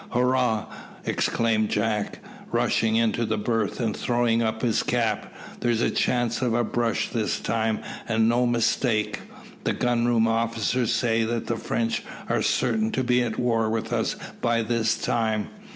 "Hurrah!" exclaimed Jack, rushing into the berth, and throwing up his cap; "there's a chance of a brush this time and no mistake. The gun room officers say that the French are certain to be at war with us by this time.